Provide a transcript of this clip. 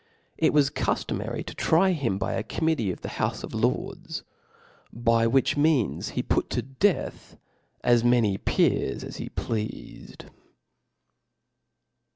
'it was cuftoniary to try him by a committee of the, ' })ou{epf Jords : by which means lie put to deaths ^.* many pecfs as hp plFa|i;d.